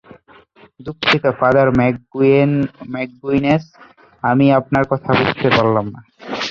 দুঃখিত father McGuinness, আমি আপনার কথা বুঝতে পারলাম না।